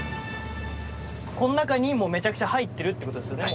この中にめちゃくちゃ入ってるってことですよね